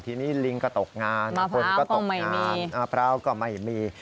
ทีนี้ลิงก็ตกงานมะพร้าวก็ไม่มี